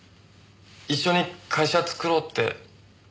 一緒に会社作ろうって。